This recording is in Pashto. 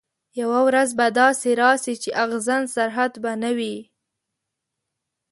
یوه ورځ به داسي راسي چي اغزن سرحد به نه وي